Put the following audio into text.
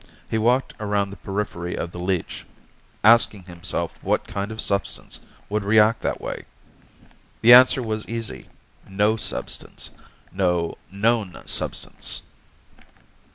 He walked around the periphery of the leech, asking himself what kind of substance would react that way. The answer was easy no substance. No known substance.